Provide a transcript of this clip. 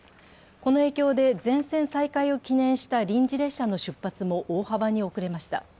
この影響で全線再開を記念した臨時列車の出発も大幅に遅れました。